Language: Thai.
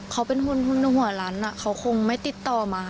เขาเป็นหุ้นหัวล้านเขาคงไม่ติดต่อมา